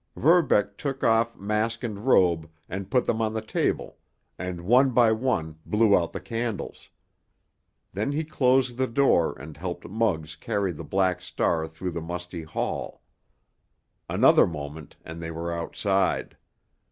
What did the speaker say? Verbeck took off mask and robe and put them on the table, and one by one blew out the candles. Then he closed the door and helped Muggs carry the Black Star through the musty hall. Another moment, and they were outside.